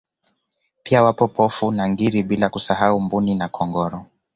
Pia wapo Pofu na Ngiri bila kusahau Mbuni na Korongo